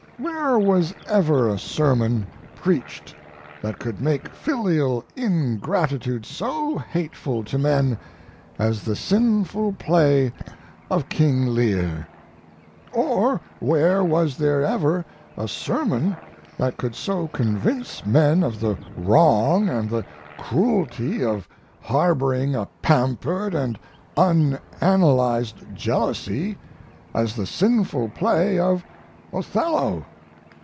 Where was ever a sermon preached that could make filial ingratitude so hateful to men as the sinful play of "King Lear"? Or where was there ever a sermon that could so convince men of the wrong and the cruelty of harboring a pampered and unanalyzed jealousy as the sinful play of "Othello"?